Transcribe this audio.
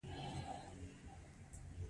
موږ د ښوونځیو پرانیستو هیله لرو.